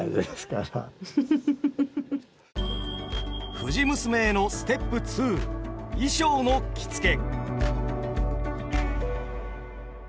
「藤娘」へのステップ２衣装の着付け。